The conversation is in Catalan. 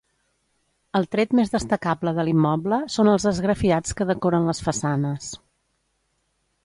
El tret més destacable de l'immoble són els esgrafiats que decoren les façanes.